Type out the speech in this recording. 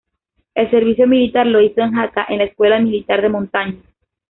El servicio militar lo hizo en Jaca, en la Escuela Militar de Montaña.